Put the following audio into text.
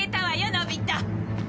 のび太！